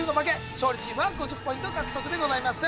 勝利チームは５０ポイント獲得でございます